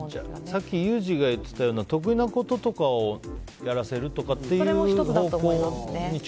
さっきユージが言っていたような得意なこととかをやらせるとかっていう方法にそれも１つだと思います。